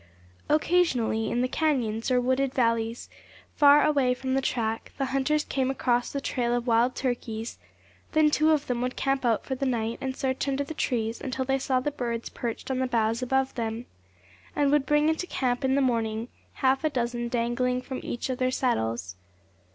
Occasionally, in the canyons, or wooded valleys, far away from the track, the hunters came across the trail of wild turkeys; then two of them would camp out for the night, and search under the trees until they saw the birds perched on the boughs above them, and would bring into camp in the morning half a dozen dangling from each of their saddles.